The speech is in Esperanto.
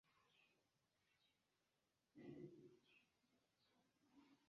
Ambaŭ gepatroj mortis kiam Tukaram estis ankoraŭ junulo.